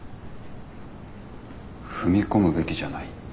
踏み込むべきじゃないって。